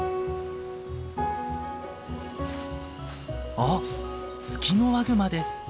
あっツキノワグマです。